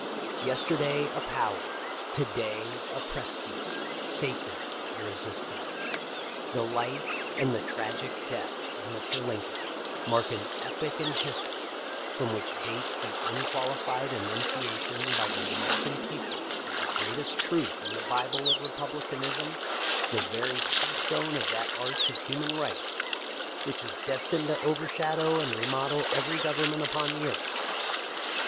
Yesterday a power: to day a prestige, sacred, irresistible. The life and the tragic death of Mr. Lincoln mark an epoch in history from which dates the unqualified annunciation by the Amercan people of the great est truth in the bible of republicanism — the very keystone of that arch of human rights which is des tined to overshadow and remodel every government upon the earth.